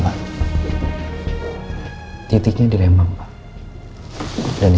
sampai jumpa lagi